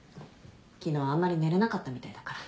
昨日あんまり寝れなかったみたいだから。